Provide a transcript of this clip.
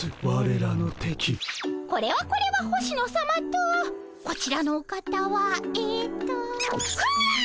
これはこれは星野さまとこちらのお方はえっとふんがっ！